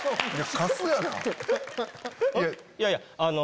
いやいやあの。